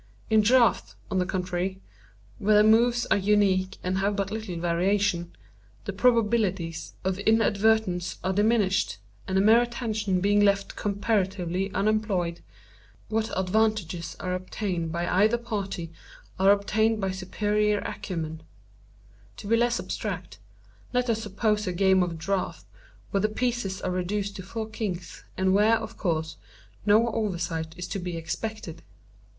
In draughts, on the contrary, where the moves are unique and have but little variation, the probabilities of inadvertence are diminished, and the mere attention being left comparatively unemployed, what advantages are obtained by either party are obtained by superior acumen. To be less abstract, let us suppose a game of draughts where the pieces are reduced to four kings, and where, of course, no oversight is to be expected.